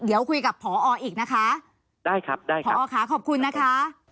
เดี๋ยวคุยกับพออีกนะคะได้ครับได้ครับพอค่ะขอบคุณนะคะ